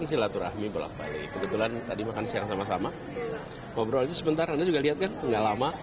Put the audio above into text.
itu harus lebih sering